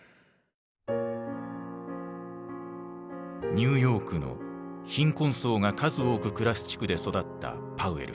ニューヨークの貧困層が数多く暮らす地区で育ったパウエル氏。